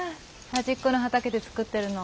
端っこの畑で作ってるの。